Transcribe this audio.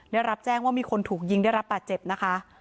ได้รับแจ้งว่ามีคนถูกยิงได้รับบาดเจ็บนะคะ